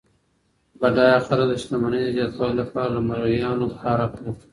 بډایه خلګ د شتمنۍ د زیاتوالي لپاره له مریانو کار اخلي.